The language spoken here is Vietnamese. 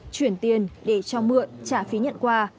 chuyển tiền để cho mượn trả phí nhận quà